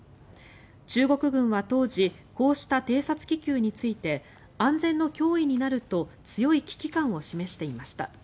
中国軍は当時こうした偵察気球について安全の脅威になると強い危機感を示していました。